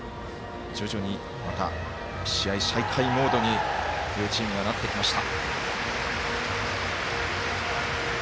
徐々に、また試合再開モードに両チームがなってきました。